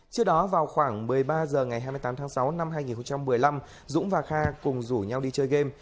trước đó vào khoảng một mươi ba h ngày hai mươi tám tháng sáu năm hai nghìn một mươi năm dũng và kha cùng rủ nhau đi chơi game